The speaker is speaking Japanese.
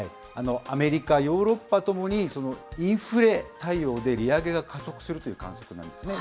アメリカ、ヨーロッパともに、インフレ対応で利上げが加速するという観測なんですね。